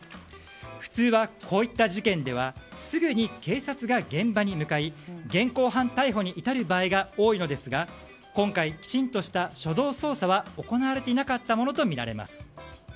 普通はこういった事件ではすぐに警察が現場に向かい現行犯逮捕に至る場合が多いのですが今回、きちんとした初動捜査は行われていなかったものとみられます。